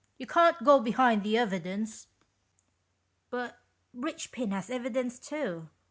"You can't go behind the evidence." " But Eichpin has evidence too.